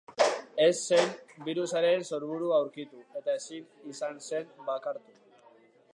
Ez zen birusaren sorburua aurkitu, eta ezin izan zen bakartu.